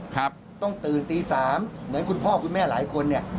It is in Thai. ต้องตื่นตีสามเหมือนคุณพ่อคุณแม่หลายคนเนี่ย